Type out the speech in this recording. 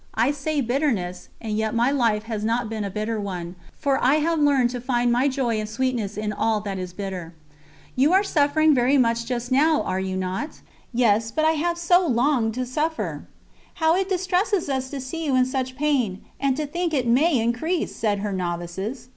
I say bitterness, and yet my life has not been a bitter one, for I have learned to find my joy and sweetness in all that is bitter." "You are suffering very much just now, are you not?" "Yes, but then I have so longed to suffer." "How it distresses us to see you in such pain, and to think that it may increase!" said her novices.